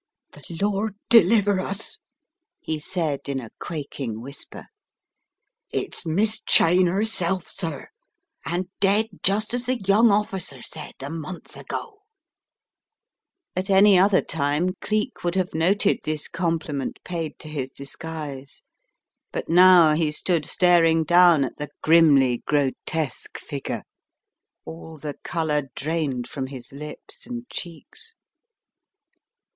"The Lord deliver us," he said in a quaking whisper. "It's Miss Cheyne herself, sir, and dead just as the young officer said a month ago." At any other time Cleek would have noted this compliment paid to his disguise, but now he stood staring down at the grimly grotesque figure, all the colour drained from his lips and cheeks.